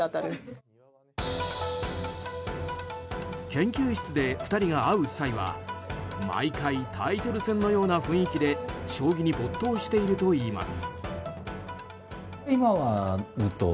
研究室で２人が会う際は毎回タイトル戦のような雰囲気で将棋に没頭しているといいます。